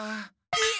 えっ！？